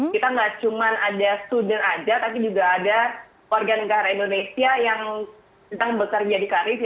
kita nggak cuma ada student aja tapi juga ada warga negara indonesia yang sedang bekerja di karis